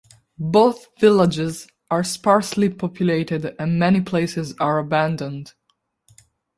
Both villages are sparsely populated and many places are abandoned.